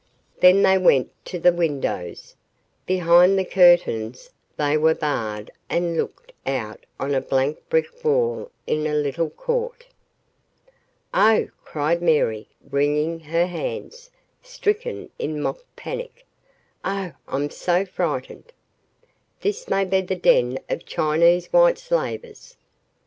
Then they went to the windows. Behind the curtains they were barred and looked out on a blank brick wall in a little court. "Oh," cried Mary wringing her hands, stricken in mock panic, "oh, I'm so frightened. This may be the den of Chinese white slavers!"